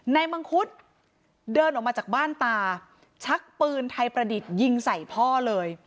มังคุดเดินออกมาจากบ้านตาชักปืนไทยประดิษฐ์ยิงใส่พ่อเลย